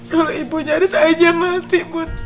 kalau ibunya aris aja mati bud